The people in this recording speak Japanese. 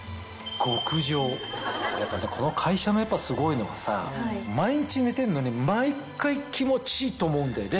やっぱりさこの会社のすごいのはさ毎日寝てんのに毎回気持ちいいと思うんだよね。